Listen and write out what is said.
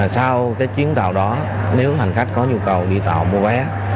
sau cái chuyến tàu đó nếu hành khách có nhu cầu đi tàu mua vé